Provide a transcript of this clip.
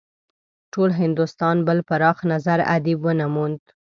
ټول هندوستان بل پراخ نظره ادیب ونه موند.